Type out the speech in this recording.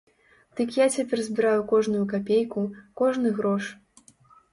Дык я цяпер збіраю кожную капейку, кожны грош.